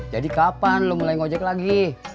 jadi kapan lo mulai ngojek lagi